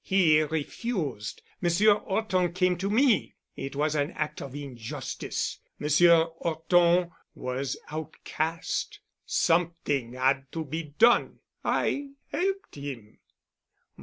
He refused. Monsieur 'Orton came to me. It was an act of injustice. Monsieur 'Orton was outcast. Something had to be done. I helped him.